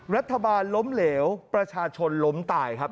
รัฐบาลล้มเหลวประชาชนล้มตายครับ